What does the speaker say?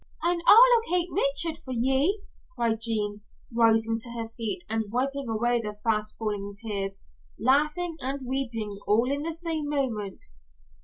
"An' I'll locate Richard for ye!" cried Jean, rising to her feet and wiping away the fast falling tears, laughing and weeping all in the same moment.